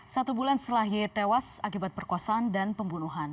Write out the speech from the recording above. satu bulan setelah ye tewas akibat perkosaan dan pembunuhan